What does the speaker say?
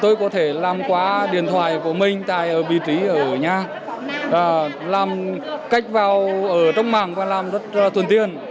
tôi có thể làm qua điện thoại của mình tại vị trí ở nhà làm cách vào ở trong mạng và làm rất thuần tiên